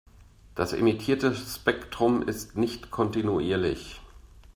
Das emittierte Spektrum ist nicht kontinuierlich.